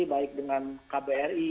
baik dengan kbri